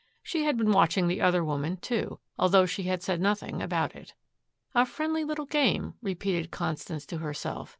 She had been watching the other woman, too, although she had said nothing about it. "A friendly little game," repeated Constance to herself.